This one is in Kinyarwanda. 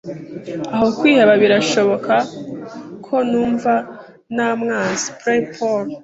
Aho kwiheba, birashoboka ko numva namwanze. (blay_paul)